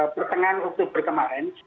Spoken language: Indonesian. pertengahan oktober kemarin